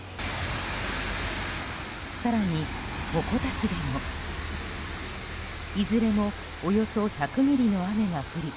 更に、鉾田市でもいずれもおよそ１００ミリの雨が降り